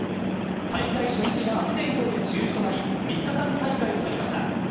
大会初日が悪天候で中止となり、３日間大会となりました。